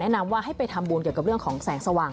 นำว่าให้ไปทำบุญเกี่ยวกับเรื่องของแสงสว่าง